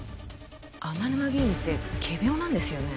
天沼議員って仮病なんですよね？